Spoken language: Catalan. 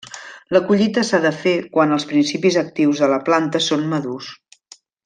La collita s'ha de fer quan els principis actius de la planta són madurs.